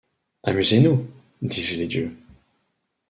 Amusez-nous ! disent les dieux.